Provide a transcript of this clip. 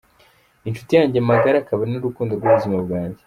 inshuti yanjye magara akaba n’urukundo rw’ubuzima bwanjye.